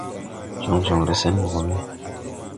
Jɔŋ jɔŋre sɛn mbɔ gɔ me.